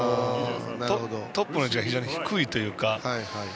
トップの位置が非常に低いというか。